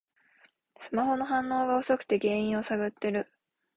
スマホの反応が遅くて原因を探ってる